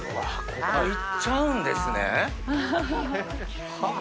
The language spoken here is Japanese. ここいっちゃうんですね！